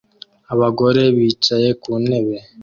Abagore bicaye ku ntebe